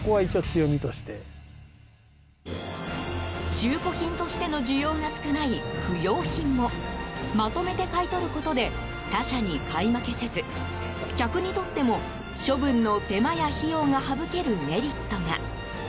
中古品としての需要が少ない不用品もまとめて買い取ることで他社に買い負けせず客にとっても、処分の手間や費用が省けるメリットが。